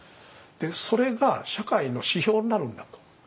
それが社会の指標になるんだと。